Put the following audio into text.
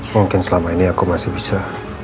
mungkin selama ini aku masih bisa